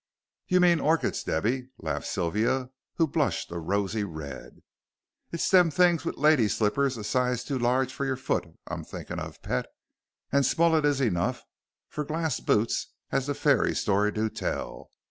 "You mean orchids, Debby," laughed Sylvia, who blushed a rosy red. "It's them things with lady slippers a size too large for your foot I'm a thinking of, pet, and small it is enough for glarse boots as the fairy story do tell.